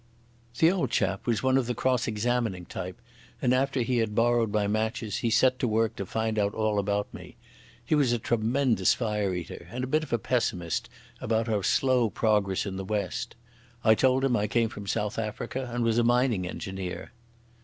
The old chap was one of the cross examining type, and after he had borrowed my matches he set to work to find out all about me. He was a tremendous fire eater, and a bit of a pessimist about our slow progress in the west. I told him I came from South Africa and was a mining engineer.